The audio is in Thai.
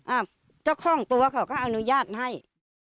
เจ้าของตัวเขาก็อนุญาตให้